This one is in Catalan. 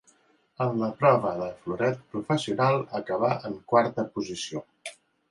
En la prova de floret professional acabà en quarta posició.